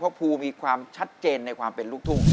เพราะภูมีความชัดเจนในความเป็นลูกทุ่ง